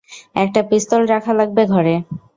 একটা পিস্তল রাখা লাগবে ঘরে।